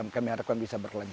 kami harapkan bisa berkelanjutan